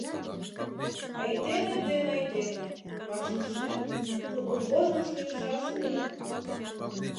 Айдеме ден айдеме, ваш ушнен, тукымвожым шуйышаш улыт.